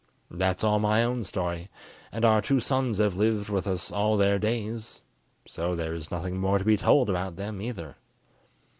That's all my own story, and our two sons have lived with us all their days, so there is nothing more to be told about them either."